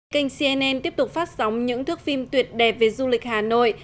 kênh cnn tiếp tục phát sóng những thước phim tuyệt đẹp về du lịch hà nội